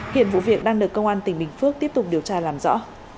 hiện vụ việc đang được công an tỉnh bình phước tiếp tục điều tra làm rõ